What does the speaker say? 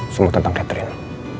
semua tentang catherine